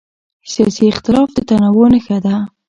سیاسي اختلاف د تنوع نښه ده